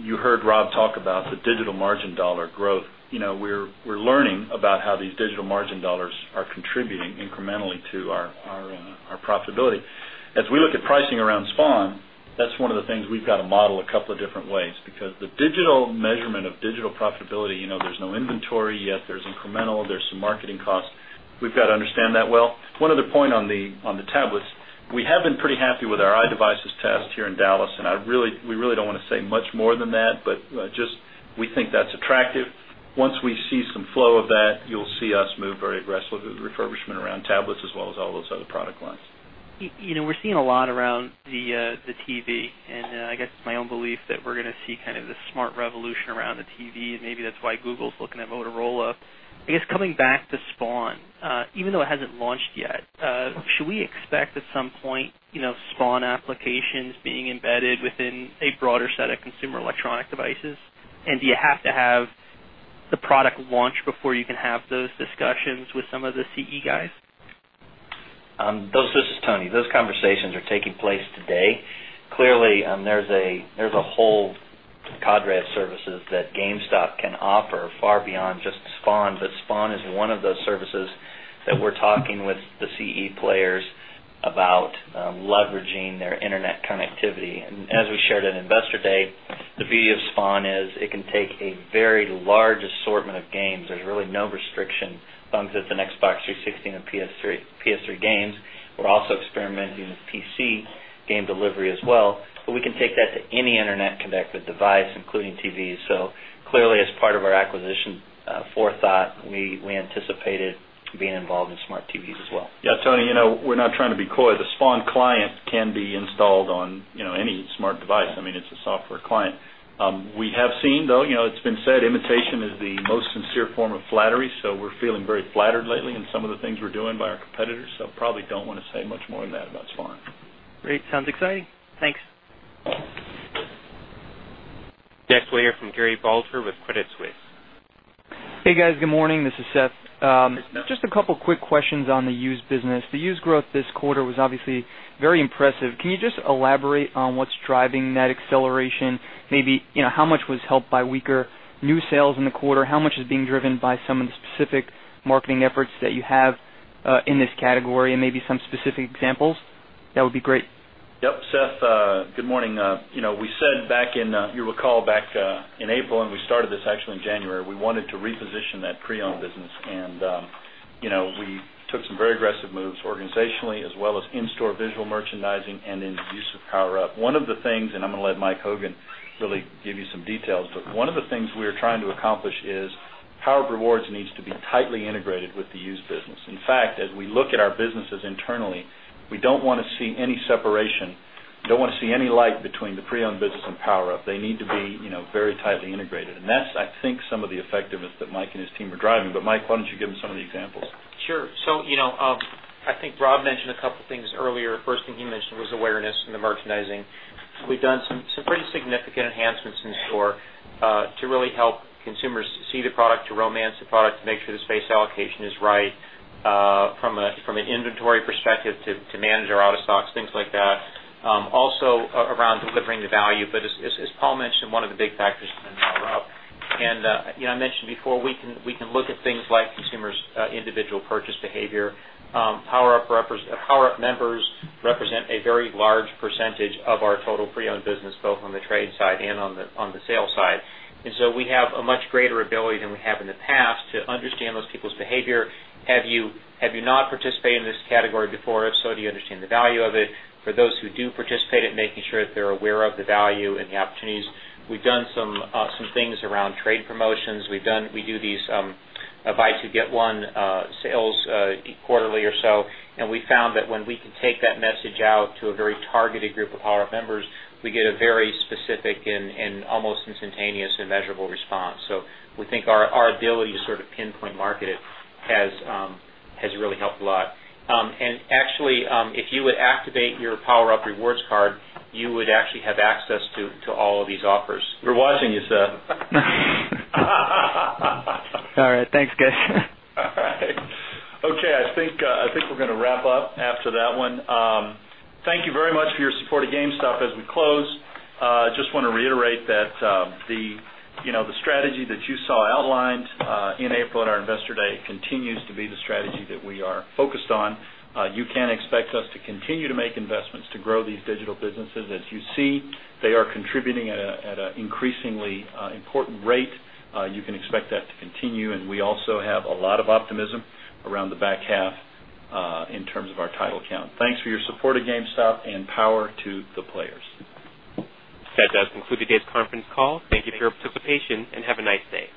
you heard Rob talk about the digital margin dollar growth. We're learning about how these digital margin dollars are contributing incrementally to our profitability. As we look at pricing around Spawn Labs, that's one of the things we've got to model a couple of different ways because the digital measurement of digital profitability, you know, there's no inventory yet, there's incremental, there's some marketing cost. We've got to understand that well. One other point on the tablets, we have been pretty happy with our iDevices test here in Dallas, and we really don't want to say much more than that, but just we think that's attractive. Once we see some flow of that, you'll see us move very aggressively with refurbishment around tablets as well as all those other product lines. You know, we're seeing a lot around the TV, and I guess it's my own belief that we're going to see kind of the smart revolution around the TV, and maybe that's why Google's looking at Motorola. I guess coming back to Spawn, even though it hasn't launched yet, should we expect at some point Spawn applications being embedded within a broader set of consumer electronic devices? Do you have to have the product launch before you can have those discussions with some of the CE guys? This is Tony. Those conversations are taking place today. Clearly, there's a whole cadre of services that GameStop can offer far beyond just Spawn Labs, but Spawn Labs is one of those services that we're talking with the CE players about leveraging their internet connectivity. As we shared at Investor Day, the beauty of Spawn Labs is it can take a very large assortment of games. There's really no restriction as long as it's Xbox 360 and PS3 games. We're also experimenting with PC game delivery as well, and we can take that to any internet connected device, including TVs. Clearly, as part of our acquisition forethought, we anticipated being involved in smart TVs as well. Yeah, Tony, we're not trying to be coy. The Spawn client can be installed on any smart device. I mean, it's a software client. We have seen, though, it's been said imitation is the most sincere form of flattery, so we're feeling very flattered lately in some of the things we're doing by our competitors. I probably don't want to say much more than that about Spawn. Great. Sounds exciting. Thanks. Next, we'll hear from Gary Balter with Credit Suisse. Hey, guys. Good morning. This is Seth. Just a couple of quick questions on the used business. The used growth this quarter was obviously very impressive. Can you just elaborate on what's driving that acceleration? Maybe how much was helped by weaker new sales in the quarter? How much is being driven by some of the specific marketing efforts that you have in this category, and maybe some specific examples? That would be great. Yep. Seth, good morning. You know, we said back in, you recall back in April, and we started this actually in January, we wanted to reposition that pre-owned business. We took some very aggressive moves organizationally as well as in-store visual merchandising and in the use of PowerUp. One of the things, and I'm going to let Mike Hogan really give you some details, one of the things we're trying to accomplish is PowerUp Rewards needs to be tightly integrated with the used business. In fact, as we look at our businesses internally, we don't want to see any separation, don't want to see any light between the pre-owned business and PowerUp. They need to be very tightly integrated. That's, I think, some of the effectiveness that Mike and his team are driving. Mike, why don't you give them some of the examples? Sure. I think Rob mentioned a couple of things earlier. The first thing he mentioned was awareness in the merchandising. We've done some pretty significant enhancements in store to really help consumers see the product, to romance the product, to make sure the space allocation is right from an inventory perspective, to manage our out-of-stocks, things like that. Also, around delivering the value. As Paul mentioned, one of the big factors has been route. I mentioned before, we can look at things like consumers' individual purchase behavior. PowerUp members represent a very large percentage of our total pre-owned business, both on the trade side and on the sale side. We have a much greater ability than we have in the past to understand those people's behavior. Have you not participated in this category before? If so, do you understand the value of it? For those who do participate in it, making sure that they're aware of the value and the opportunities. We've done some things around trade promotions. We do these buy-two-get-one sales quarterly or so. We found that when we can take that message out to a very targeted group of PowerUp members, we get a very specific and almost instantaneous and measurable response. We think our ability to sort of pinpoint market it has really helped a lot. If you would activate your PowerUp Rewards card, you would actually have access to all of these offers. We're watching you, Seth. All right. Thanks, guys. All right. Okay. I think we're going to wrap up after that one. Thank you very much for your support of GameStop as we close. I just want to reiterate that the strategy that you saw outlined in April at our Investor Day continues to be the strategy that we are focused on. You can expect us to continue to make investments to grow these digital businesses. As you see, they are contributing at an increasingly important rate. You can expect that to continue. We also have a lot of optimism around the back half in terms of our title count. Thanks for your support of GameStop and power to the players. That does conclude the day's conference call. Thank you for your participation and have a nice day.